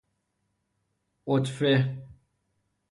عطفه